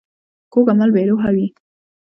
کوږ عمل بې روح وي